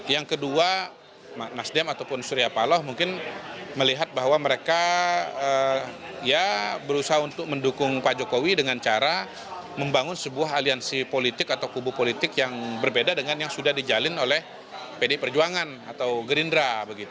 yang kedua nasdem ataupun surya paloh mungkin melihat bahwa mereka berusaha untuk mendukung pak jokowi dengan cara membangun sebuah aliansi politik atau kubu politik yang berbeda dengan yang sudah dijalin oleh pd perjuangan atau gerindra